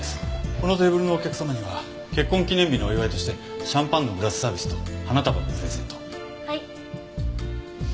このテーブルのお客様には結婚記念日のお祝いとしてシャンパンのグラスサービスと花束のプレゼントを。